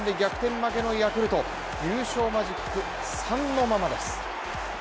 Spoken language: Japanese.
負けのヤクルト優勝マジック３のままです。